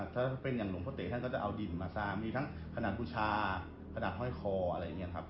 ถ้าเป็นอย่างหลวงพ่อเตะท่านก็จะเอาดินมาสร้างมีทั้งขนาดบูชาขนาดห้อยคออะไรอย่างนี้ครับ